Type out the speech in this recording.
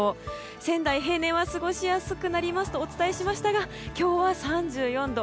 仙台、平年は過ごしやすくなりますとお伝えしましたが今日は３４度。